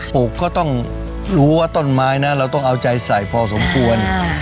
ปลูกก็ต้องรู้ว่าต้นไม้นะเราต้องเอาใจใส่พอสมควร